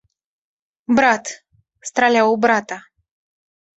Брат страляў у брата.